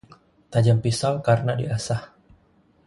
Tajam pisau karena diasah